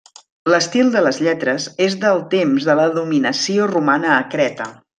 L'estil de les lletres és del temps de la dominació romana a Creta.